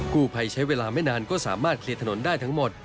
กู้ภัยใช้เวลาไม่นานก็สามารถเคลียร์ถนนได้ทั้งหมด